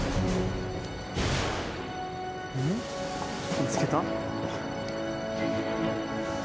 見つけた？